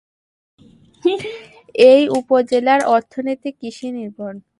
এ উপজেলার অর্থনীতি কৃষি নির্ভর।